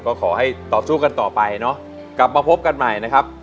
ก็ขอให้ต่อสู้กันต่อไปเนาะกลับมาพบกันใหม่นะครับ